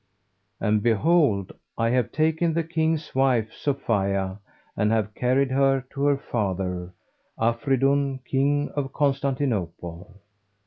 And behold, I have taken the King's wife, Sophia, and have carried her to her father, Afridun King of Constantinople.